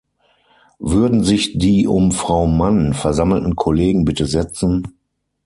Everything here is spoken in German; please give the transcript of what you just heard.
Würden sich die um Frau Mann versammelten Kollegen bitte setzen.